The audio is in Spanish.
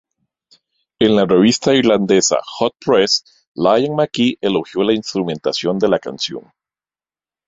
En la revista irlandesa "Hot Press", Liam Mackey elogió la instrumentación de la canción.